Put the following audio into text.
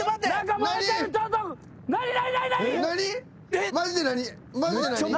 マジで何？